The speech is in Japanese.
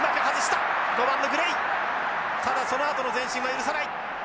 ただそのあとの前進は許さない。